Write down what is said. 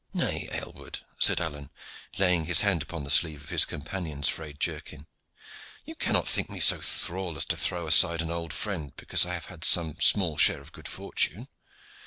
"Nay, Aylward," said Alleyne, laying his hand upon the sleeve of his companion's frayed jerkin, "you cannot think me so thrall as to throw aside an old friend because I have had some small share of good fortune.